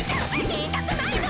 言いたくないの！